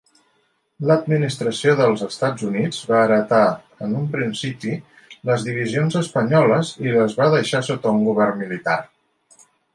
L'administració dels Estats Units va heretar en un principi les divisions espanyoles i les va deixar sota un govern militar.